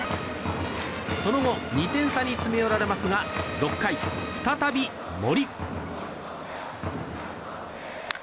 その後２点差に詰め寄られますが６回、再び森。